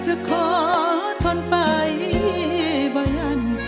จะขอทนไปบ่ยัน